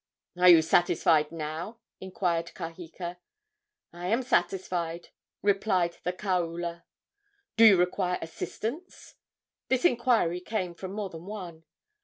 "Are you satisfied now?" inquired Kaheka. "I am satisfied," replied the kaula. "Do you require assistance?" This inquiry came from more than one.